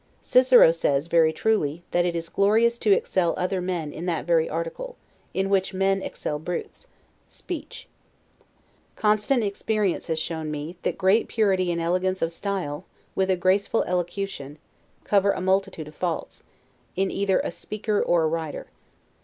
Cicero says, very truly, that it is glorious to excel other men in that very article, in which men excel brutes; SPEECH. Constant experience has shown me, that great purity and elegance of style, with a graceful elocution, cover a multitude of faults, in either a speaker or a writer.